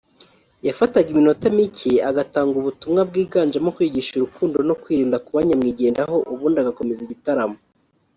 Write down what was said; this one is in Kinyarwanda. yafataga iminota mike agatanga ubutumwa bwiganjemo kwigisha ‘urukundo no kwirinda kuba nyamwigendaho’ ubundi agakomeza igitaramo